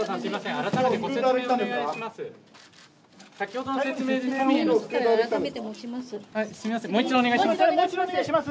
改めてご説明お願いします。